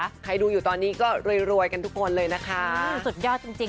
ก็อ่ะใครดูอยู่ตอนนี้ก็รวยกันทุกคนเลยนะคะอืมสุดยอดจริง